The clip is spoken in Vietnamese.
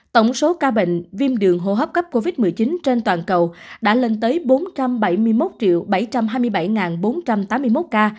tổng số ca bệnh viêm đường hô hấp cấp covid một mươi chín trên toàn cầu đã lên tới bốn trăm bảy mươi một bảy trăm hai mươi bảy bốn trăm tám mươi một ca